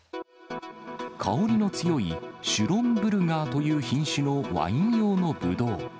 香りの強い、シュロンブルガーという品種のワイン用のぶどう。